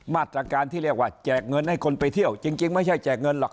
มาตรการที่เรียกว่าแจกเงินให้คนไปเที่ยวจริงไม่ใช่แจกเงินหรอก